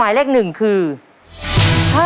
ไม่ออกไป